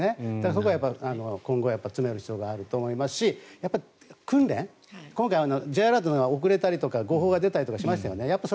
そこは今後詰める必要があると思いますし訓練、Ｊアラートが遅れたりとか誤報が出たりしましたよね。